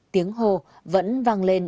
tiếng hô vẫn vang lên